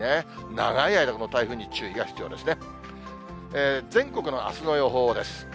長い間、この台風に注意が必要ですね。